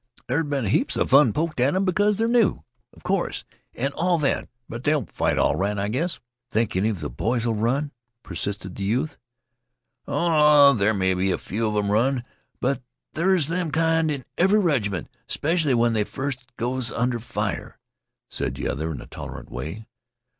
"There's been heaps of fun poked at 'em because they're new, of course, and all that; but they'll fight all right, I guess." "Think any of the boys 'll run?" persisted the youth. "Oh, there may be a few of 'em run, but there's them kind in every regiment, 'specially when they first goes under fire," said the other in a tolerant way.